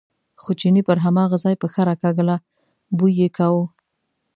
خو چیني پر هماغه ځای پښه راکاږله، بوی یې کاوه.